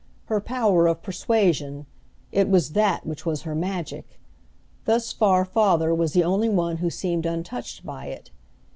Her power of persuasion it was that which was her magic! Thus far father was the only one who seemed untouched by it.